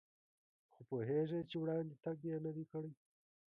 خو پوهېږي چې وړاندې تګ یې نه دی کړی.